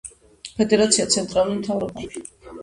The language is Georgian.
ფედერაცია ცენტრალური მთავრობაა.